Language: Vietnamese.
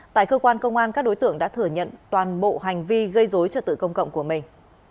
tại cơ quan công an các đối tượng đã thừa nhận toàn bộ hành vi gây dối trật tự công cộng của mình